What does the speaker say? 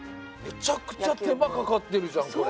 めちゃくちゃ手間かかってるじゃんこれ。